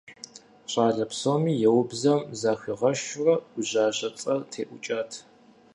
ЩӀалэм псоми еубзэм, захуигъэшурэ, «ӏужажэ» цӀэр теӀукӀат.